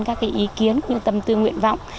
các ý kiến như tâm tư nguyện vọng